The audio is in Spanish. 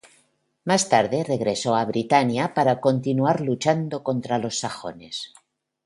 Más tarde, regresó a Britania para continuar luchando contra los sajones.